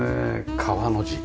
川の字。